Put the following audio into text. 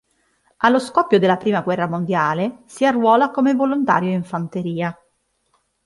Allo scoppio della Prima guerra mondiale, si arruola come volontario in fanteria.